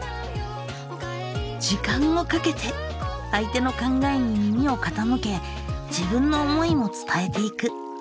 時間をかけて相手の考えに耳をかたむけ自分の思いも伝えていく。